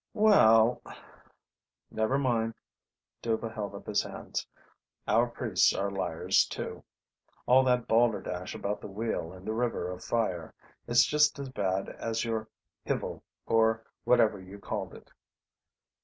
"Well " "Never mind," Dhuva held up his hands. "Our priests are liars too. All that balderdash about the Wheel and the River of Fire. It's just as bad as your Hivvel or whatever you called it.